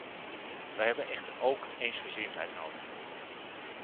Wij hebben echter ook eensgezindheid nodig.